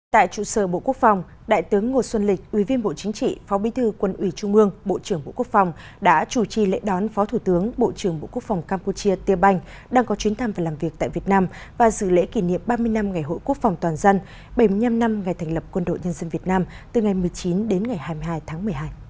tại trụ sở bộ quốc phòng đại tướng ngô xuân lịch ủy viên bộ chính trị phó bí thư quân ủy trung mương bộ trưởng bộ quốc phòng đã chủ trì lễ đón phó thủ tướng bộ trưởng bộ quốc phòng campuchia tiêu banh đang có chuyến thăm và làm việc tại việt nam và dự lễ kỷ niệm ba mươi năm ngày hội quốc phòng toàn dân bảy mươi năm năm ngày thành lập quân đội nhân dân việt nam từ ngày một mươi chín đến ngày hai mươi hai tháng một mươi hai